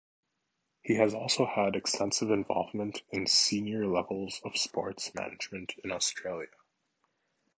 He has also had extensive involvement in senior levels of sports management in Australia.